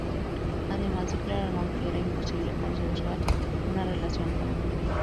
Además, declararon que era imposible consensuar una relación común.